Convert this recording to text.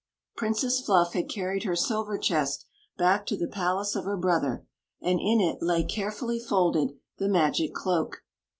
Princess Fluff had carried her silver chest back to the palace of her brother, and in it lay, carefully folded, the magic cloak.